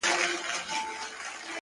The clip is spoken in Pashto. • جګه لکه ونه د چینار په پسرلي کي ,